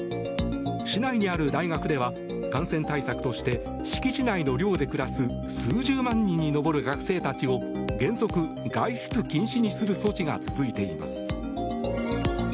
市内にある大学では感染対策として敷地内の寮で暮らす数十万人に上る学生たちを原則、外出禁止にする措置が続いています。